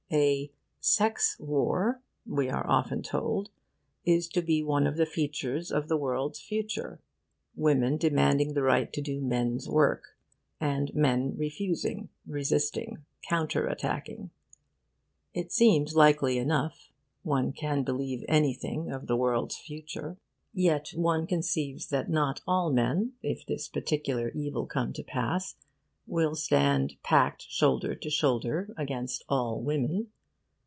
A 'sex war,' we are often told is to be one of the features of the world's future women demanding the right to do men's work, and men refusing, resisting, counter attacking. It seems likely enough. One can believe anything of the world's future. Yet one conceives that not all men, if this particular evil come to pass, will stand packed shoulder to shoulder against all women.